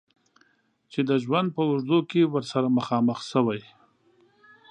چې د ژوند په اوږدو کې ورسره مخامخ شوی.